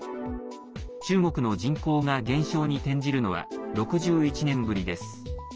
中国の人口が減少に転じるのは６１年ぶりです。